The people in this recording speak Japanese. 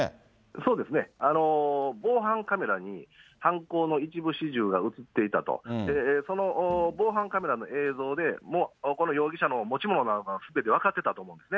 そうですね、防犯カメラに犯行の一部始終が写っていたと、その防犯カメラの映像でも、もうこの容疑者の持ち物がすべて分かってたと思うんですね。